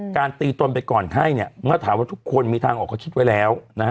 การตีตนไปก่อนให้เนี่ยเมื่อถามว่าทุกคนมีทางออกเขาคิดไว้แล้วนะฮะ